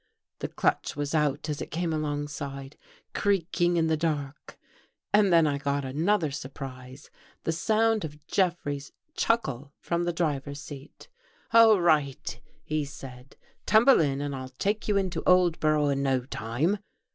The clutch was out as it came alongside, creaking in the dark. And then I got another surprise; the sound of Jeffrey's chuckle from the driver's seat. " All right," he said. " Tumble in and I'll take you into Oldborough in no time."